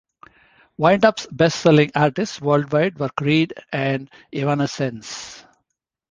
Wind-up's best-selling artists worldwide were Creed and Evanescence.